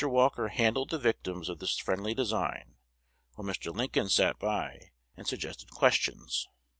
Walker "handled" the victims of this friendly design, while Mr. Lincoln sat by and suggested questions.